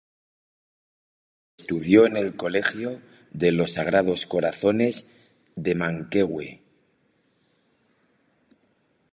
Estudió en el Colegio de los Sagrados Corazones de Manquehue.